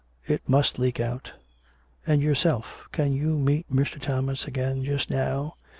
" It must leak out." "And yourself? Can you meet Mr. Thomas again just now?